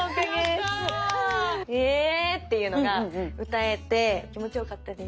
えっていうのが歌えて気持ちよかったです。